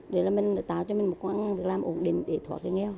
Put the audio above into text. để tạo cho mình một con ăn làm ổn định